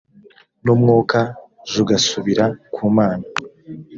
n umwukajugasubira ku mana